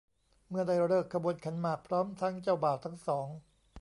เมื่อได้ฤกษ์ขบวนขันหมากพร้อมทั้งเจ้าบ่าวทั้งสอง